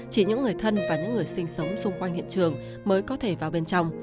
chỉ những người thân và những người sinh sống xung quanh hiện trường mới có thể vào bên trong